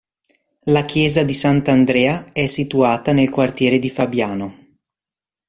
La Chiesa di Sant'Andrea è situata nel quartiere di Fabiano.